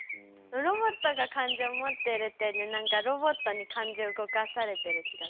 ロボットが感情を持ってるっていうよりは何かロボットに感情を動かされてる気がする。